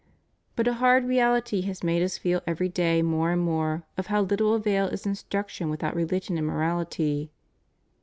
But a hard reality has made us feel every day more and more of how little avail is instruction without religion and morahty.